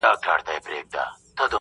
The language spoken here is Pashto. نه به يې په زوره زوره رمباړي وهلې